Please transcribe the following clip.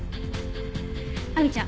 亜美ちゃん